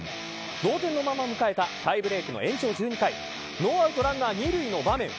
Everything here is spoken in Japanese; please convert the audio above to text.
同点のまま迎えたタイブレークの延長１２回ノーアウトランナー２塁の場面。